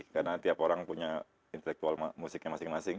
karena tiap orang punya intelektual musiknya masing masing